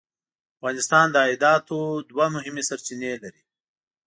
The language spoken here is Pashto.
افغانستان د عایداتو دوه مهمې سرچینې لري.